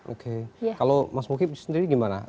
oke kalau mas mogib sendiri gimana